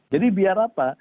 jadi biar apa